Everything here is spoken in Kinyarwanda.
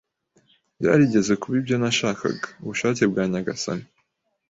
Byarigeze kuba ibyo nashakaga ubushake bwa Nyagasani